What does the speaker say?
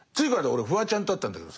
俺フワちゃんと会ったんだけどさ